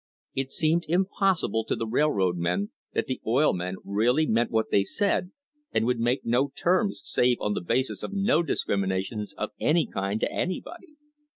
It seemed impossible to the railroad men that the oil men really meant what they said and would make no terms save on the basis of no discriminations of any kind to anybody.